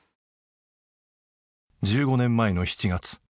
１５年前の７月。